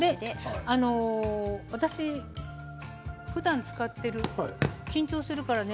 私ふだん使っている緊張するからね。